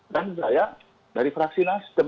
dan saya dari fraksi nasdem